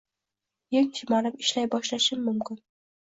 Yeng shimarib, ishlay boshlashim mumkin.